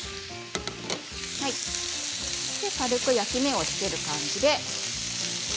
軽く焼き目をつける感じで。